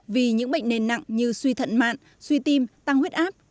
vì những bệnh nền nặng như suy thận mạn suy tim tăng huyết áp